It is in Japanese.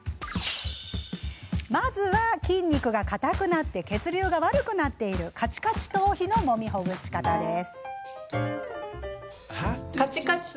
まずは、筋肉が硬くなり血流が悪くなっているカチカチ頭皮のもみほぐし方です。